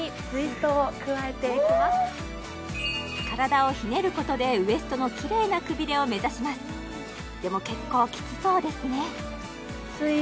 体をひねることでウエストのきれいなくびれを目指しますでも結構きつそうですね